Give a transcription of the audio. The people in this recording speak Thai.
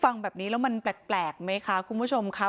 ฟังแบบนี้แล้วมันแปลกไหมคะคุณผู้ชมค่ะ